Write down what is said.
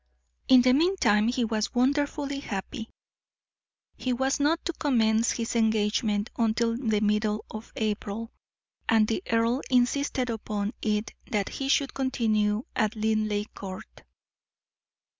In the meantime he was wonderfully happy. He was not to commence his engagement until the middle of April, and the earl insisted upon it that he should continue at Linleigh Court.